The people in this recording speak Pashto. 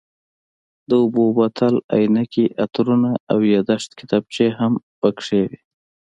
د اوبو بوتل، عینکې، عطرونه او یادښت کتابچې هم پکې وې.